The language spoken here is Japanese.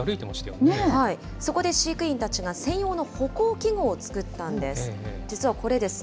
そこで飼育員たちが専用の歩行器具を作ったんです。